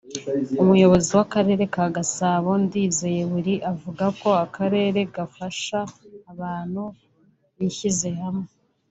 Umuyobozi w’Akarere ka Gasabo Ndizeye Willy avuga ko akarere gafasha abantu bishyize hamwe